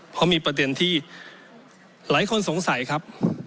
เพราะมีประเด็นที่หลายคนสงสัยครับ